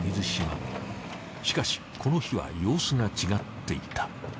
しかしこの日は様子が違っていた。